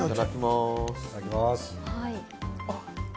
いただきます。